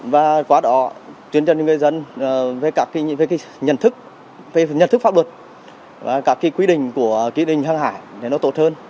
và quá đó tuyên truyền cho ngư dân về các cái nhận thức về nhận thức pháp luật và các cái quy định của kỷ định hăng hải để nó tốt hơn